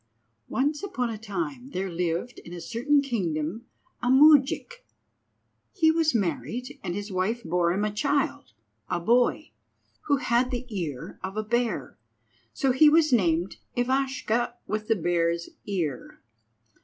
ONCE upon a time there lived in a certain kingdom a moujik. He was married, and his wife bore him a child—a boy—who had the ear of a bear, so he was named Ivashka with the Bear's Ear.